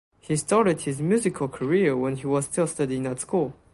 He started his musical career when he was still studying at school.